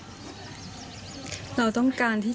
ตามแนวทางศาสตร์พระราชาของในหลวงราชการที่๙